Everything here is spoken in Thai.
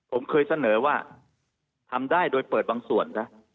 ผมเคยเสนอว่าทำได้โดยเปิดบางส่วนนะ